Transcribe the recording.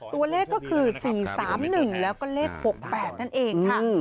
ตัวเลขก็คือ๔๓๑แล้วก็เลข๖๘นั่นเองค่ะ